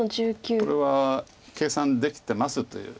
これは計算できてますという。